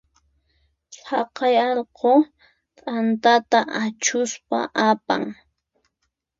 Chaqay allqu t'antata achuspa apan.